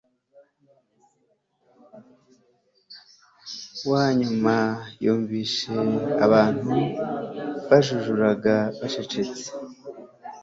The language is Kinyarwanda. wa nyuma yumvise abantu bajujuraga bacecetse